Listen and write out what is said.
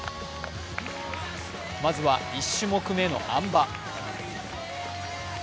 まずは１種目めのあん馬。